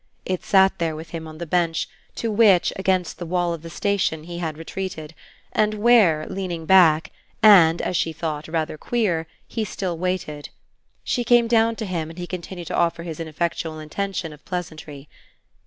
It sat there with him on the bench to which, against the wall of the station, he had retreated, and where, leaning back and, as she thought, rather queer, he still waited. She came down to him and he continued to offer his ineffectual intention of pleasantry.